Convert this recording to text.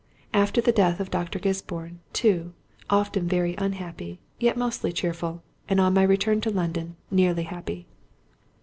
After the death of Dr. Gisborne, too, often very unhappy, yet mostly cheerful, and on my return to London nearly happy.